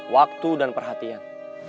waktu dan perhatian